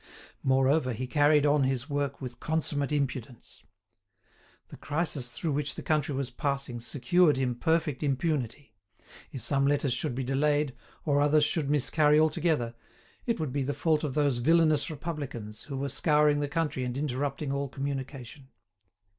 Moreover, he carried on his work with consummate impudence. The crisis through which the country was passing secured him perfect impunity. If some letters should be delayed, or others should miscarry altogether, it would be the fault of those villainous Republicans who were scouring the country and interrupting all communication.